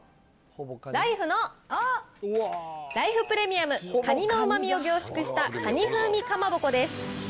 ライフのライフプレミアムカニの旨みを凝縮したかに風味かまぼこです。